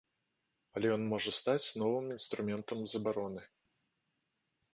Але ён можа стаць новым інструментам забароны.